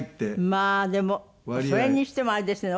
まあでもそれにしてもあれですね